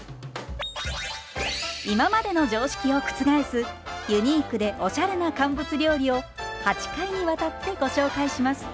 今までの常識を覆すユニークでおしゃれな乾物料理を８回にわたってご紹介します。